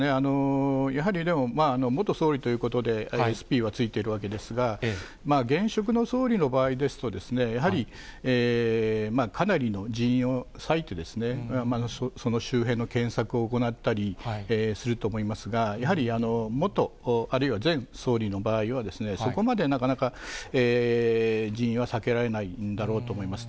やはり、でも元総理ということで、ＳＰは付いているわけですが、現職の総理の場合ですと、やはり、かなりの人員を割いて、その周辺の検索を行ったりすると思いますが、やはり元、あるいは前総理の場合は、そこまでなかなか、人員は割けられないんだろうと思います。